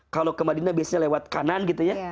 kalau ke madinah biasanya lewat kanan gitu ya